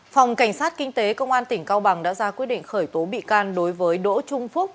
phòng cảnh sát kinh tế công an tỉnh cao bằng đã ra quyết định khởi tố bị can đối với đỗ trung phúc